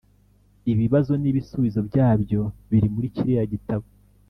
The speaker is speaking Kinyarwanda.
ibibazo n’ibisubizo byabyo biri murikiriya gitabo